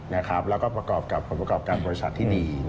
แล้วก็ประกอบกับผลประกอบการบริษัทที่ดี